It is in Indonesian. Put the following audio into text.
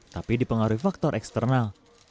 tapi dipengaruhi faktor eksternal